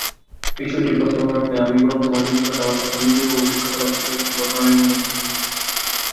বিষয়টির প্রস্তাবনারূপে আমি বরং তোমাদের নিকট প্রথমে আমার নিজের অভিজ্ঞতালব্ধ কয়েকটি ঘটনারই উল্লেখ করিব।